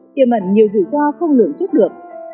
kia mẩn nhiều rủi ro không lượng trước được